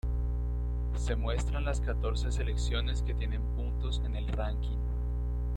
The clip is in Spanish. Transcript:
Se muestran las catorce selecciones que tienen puntos en el ranking.